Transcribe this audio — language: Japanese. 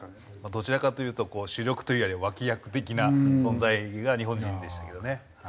どちらかというと主力というよりは脇役的な存在が日本人でしたけどねはい。